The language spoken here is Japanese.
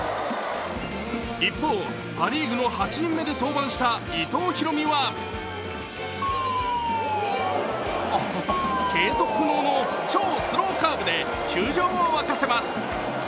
一方、パ・リーグの８人目で登板した伊藤大海は計測不能の超スローカーブで球場を沸かせます。